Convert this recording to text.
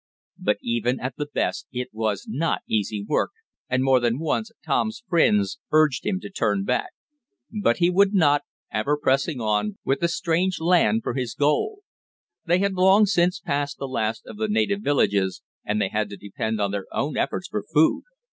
But even at the best it was not easy work, and more than once Tom's friends urged him to turn back. But he would not, ever pressing on, with the strange land for his goal. They had long since passed the last of the native villages, and they had to depend on their own efforts for food.